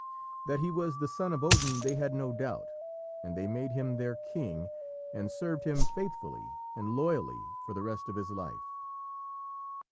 That he was the son of Odin they had no doubt, and they made him their king, and served him faithfully and loyally for the rest of his life.